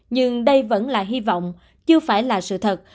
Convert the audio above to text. nhưng đây vẫn là hy vọng chưa phải là sự thật